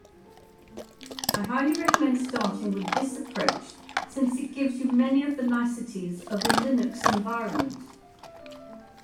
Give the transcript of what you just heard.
I highly recommend starting with this approach, since it gives you many of the niceties of a Linux environment.